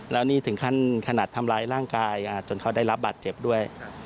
แล้วนี่ถึงขั้นขนาดทำร้ายร่างกายจนเขาได้รับบาดเจ็บด้วย